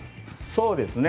そうですね。